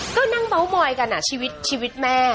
ก็นั่งเมาส์มอยกันอ่ะชีวิตชีวิตแม่